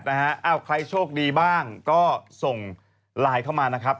เอ้าใครโชคดีบ้างก็ส่งไลน์เข้ามานะครับ